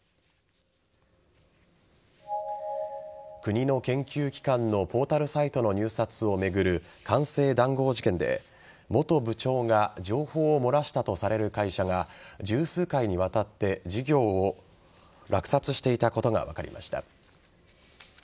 国の研究機関のポータルサイトの入札を巡る官製談合事件で元部長が情報を漏らしたとされる会社が十数回にわたって事業を落札していたことが分かりました。